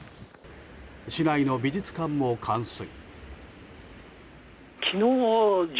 市内の美術館も冠水。